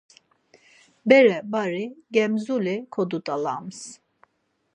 Bere-bari gemzuli kodut̆alams.